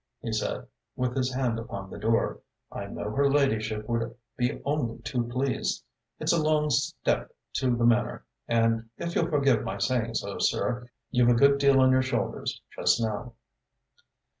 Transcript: he said, with his hand upon the door. "I know her ladyship would be only too pleased. It's a long step to the Manor, and if you'll forgive my saying so, sir, you've a good deal on your shoulders just now."